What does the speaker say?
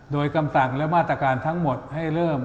โดยคำสั่งและมาตรการทั้งหมดให้เริ่ม